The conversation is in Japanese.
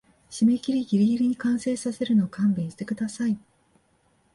締切ギリギリに完成させるの勘弁してください